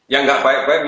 yang gak baik baik aja